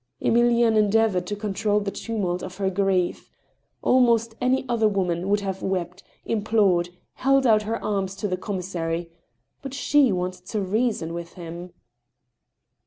Emilienne endeavored to control the tumult of her grief. Al most any other woman would have wept, implored, held out her arms to the commissary; but she wanted to reason with him.